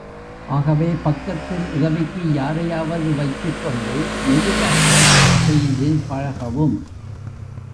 ஆகவே, பக்கத்தில் உதவிக்கு யாரையாவது வைத்துக் கொண்டு, மெதுவாக செய்து பழகவும்.